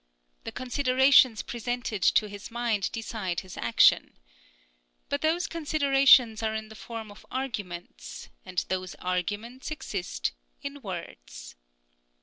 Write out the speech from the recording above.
The considerations presented to his mind decide his action. But those considerations are in the form of arguments, and those arguments exist in words.